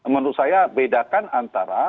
menurut saya bedakan antara